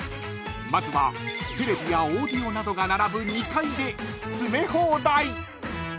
［まずはテレビやオーディオなどが並ぶ２階で詰め放題］